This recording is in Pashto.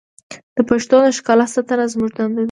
د پښتو د ښکلا ساتنه زموږ دنده ده.